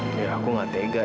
ya aku gak tega